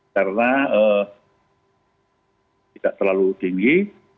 karena tidak terlalu tinggi